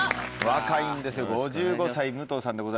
若いんですよ５５歳武藤さんでございます。